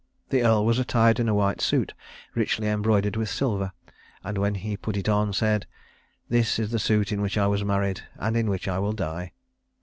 The earl was attired in a white suit, richly embroidered with silver; and when he put it on he said, "This is the suit in which I was married, and in which I will die."